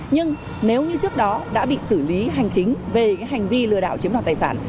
nhưng nếu như trước đó đã bị xử lý hành chính về hành vi lừa đảo chiếm đoạt tài sản